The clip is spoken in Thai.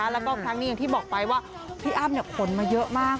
แล้วก็ครั้งนี้อย่างที่บอกไปว่าพี่อ้ำขนมาเยอะมาก